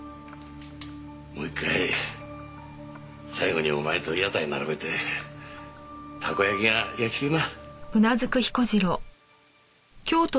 もう１回最後にお前と屋台並べてたこ焼きが焼きてえな。